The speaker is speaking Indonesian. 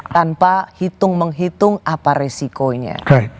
tanpa hitung menghitung apa resikonya